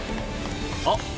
あっ。